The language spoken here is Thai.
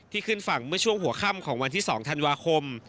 ขึ้นฝั่งเมื่อช่วงหัวค่ำของวันที่๒ธันวาคม